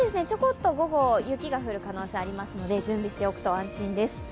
ちょこっと午後、雪が降る可能性がありますので、準備しておくと安心です。